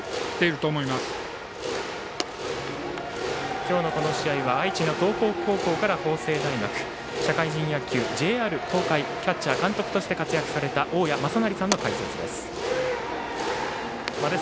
今日のこの試合は愛知の東邦高校から法政大学社会人野球、ＪＲ東海キャッチャー、監督として活躍された大矢正成さんの解説です。